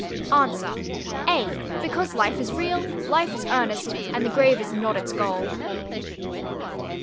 Answer: A, because life is real, life is earnest, and the grave is not its goal.